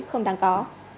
không đáng có